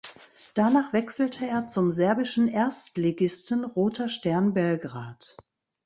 Danach wechselte er zum serbischen Erstligisten Roter Stern Belgrad.